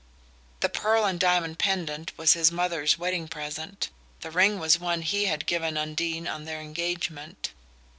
The pearl and diamond pendant was his mother's wedding present; the ring was the one he had given Undine on their engagement.